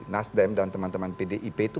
nasdem dan teman teman pdip itu